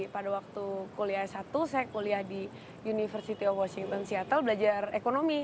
pada waktu kuliah satu saya kuliah di university of washington seattle belajar ekonomi